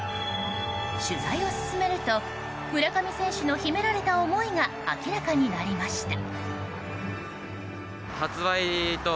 取材を進めると村上選手の秘められた思いが明らかになりました。